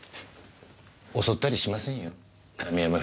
襲ったりしませんよ亀山夫人。